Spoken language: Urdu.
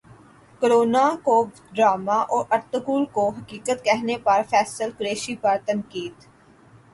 کورونا کو ڈراما اور ارطغرل کو حقیقت کہنے پر فیصل قریشی پر تنقید